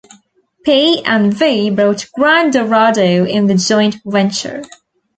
P and V brought Gran Dorado in the joint venture.